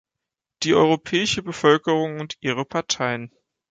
Die europäischen Bevölkerungen und ihre Parteien.